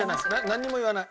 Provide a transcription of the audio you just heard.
なんにも言わない。